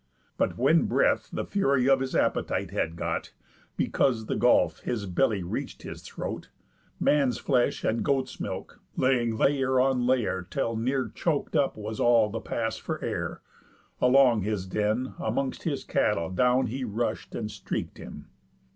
But when breath The fury of his appetite had got, Because the gulf his belly reach'd his throat, Man's flesh, and goat's milk, laying lay'r on lay'r, Till near chok'd up was all the pass for air, Along his den, among'st his cattle, down He rush'd, and streak'd him.